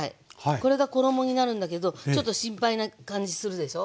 これが衣になるんだけどちょっと心配な感じするでしょ。